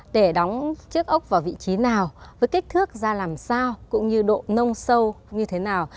để đóng chiếc ốc vào vị trí nào với kích thước ra làm sao cũng như độ nông sâu như thế nào